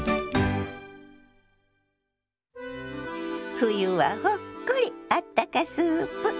「冬はほっこりあったかスープ」。